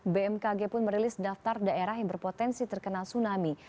bmkg pun merilis daftar daerah yang berpotensi terkena tsunami